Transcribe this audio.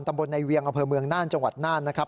ตำบลในเวียงอำเภอเมืองน่านจังหวัดน่านนะครับ